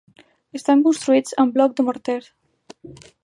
Estan construïts amb bloc de morter.